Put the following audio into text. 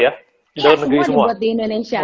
ya semua dibuat di indonesia